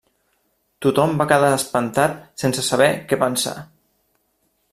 Tothom va quedar espantat sense saber què pensar.